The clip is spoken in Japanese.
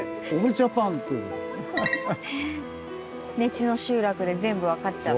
根知の集落で全部分かっちゃう。